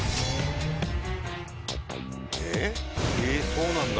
そうなんだ。